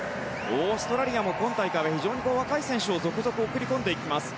オーストラリアも、今大会は非常に若い選手を続々送り込んでいます。